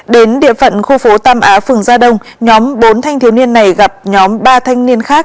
đến địa phận khu phố tam á phường gia đông nhóm bốn thanh thiếu niên này gặp nhóm ba thanh niên khác